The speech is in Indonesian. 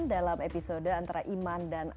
dalam episode antara iman dan